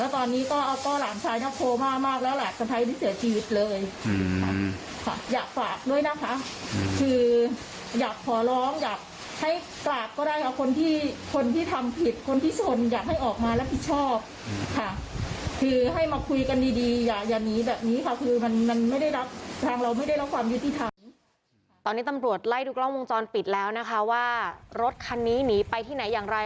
ตอนนี้ตำรวจไล่ดูกล้องวงจรปิดแล้วนะคะว่ารถคันนี้หนีไปที่ไหนอย่างไร